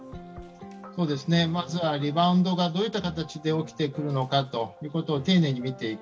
まずはリバウンドがどういった形で起きてくるのか丁寧に見ていく。